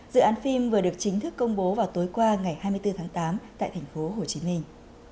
dự án phim vừa được chính thức công bố vào tối qua ngày hai mươi bốn tháng tám tại thành phố hồ chí minh